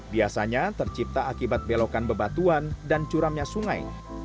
biasanya tercipta akibat belokan bebatuan dan curamnya sungai